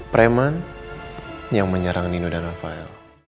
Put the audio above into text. preman yang menyerang nino dan rafael